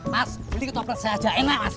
mas beli ketoprak saja enak mas